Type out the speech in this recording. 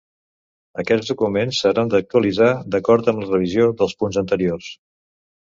Aquests documents s'hauran d'actualitzar d'acord amb la revisió dels punts anteriors.